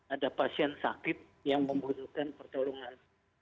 ada pasien sakit yang membutuhkan pertolongan